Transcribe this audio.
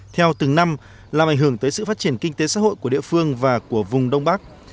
theo từng năm làm ảnh hưởng tới sự phát triển kinh tế xã hội của địa phương và của vùng đông bắc